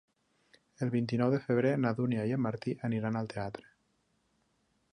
El vint-i-nou de febrer na Dúnia i en Martí aniran al teatre.